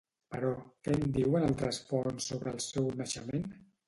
Però, què en diuen altres fonts sobre el seu naixement?